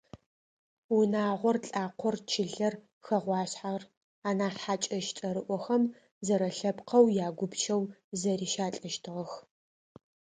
Унагъор, лӏакъор, чылэр, хэгъуашъхьэр, анахь хьакӏэщ цӏэрыӏохэм – зэрэлъэпкъэу ягупчэу зэрищалӏэщтыгъэх.